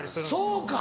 そうか。